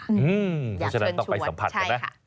อยากเชิญชวนใช่ค่ะแล้วต่อไปสัมผัสกันนะ